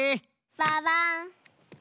ババン！